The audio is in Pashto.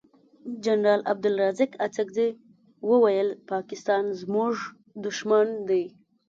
جنرال عبدلرازق اڅګزی وویل پاکستان زمونږ دوښمن دی.